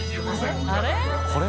あれ？）